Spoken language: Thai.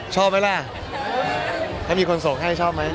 ชอบไหมล่ะแค่มีคนส่งให้ชอบมั้ย